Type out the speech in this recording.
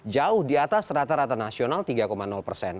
jauh di atas rata rata nasional tiga persen